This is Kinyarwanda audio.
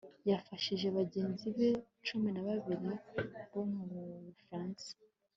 yafashije bagenzi be cumi na babiri bo mubufaransa